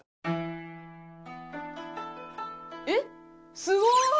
「えっ！すごい！」